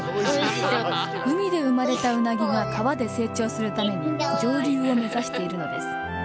海で生まれたウナギが川で成長するために上流を目指しているのです。